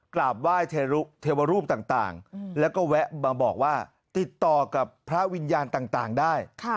กราบไหว้เทวรูปต่างแล้วก็แวะมาบอกว่าติดต่อกับพระวิญญาณต่างได้